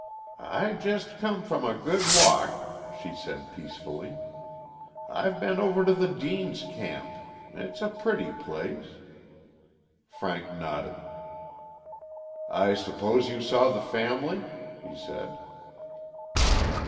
"I just come from a good walk," she said peacefully. "I've been over to the Deanes' camp. It's a pretty place." Frank nodded. "I suppose you saw the family," he said.